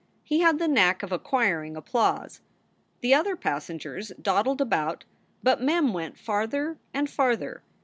He had the knack of acquiring applause. The other passengers dawdled about, but Mem went farther and farther.